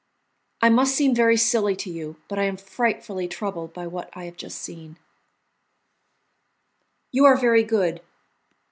"I must seem very silly to you, but I am frightfully troubled by what I have just seen." "You are very good!